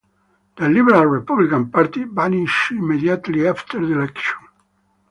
The Liberal Republican Party vanished immediately after the election.